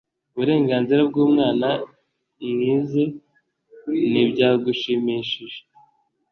uburenganzira bw umwana mwize n ibyagushimishije